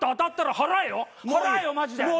払えよマジで。なあ？